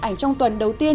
ảnh trong tuần đầu tiên